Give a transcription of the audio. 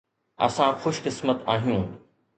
اسان خوش قسمت آهيون.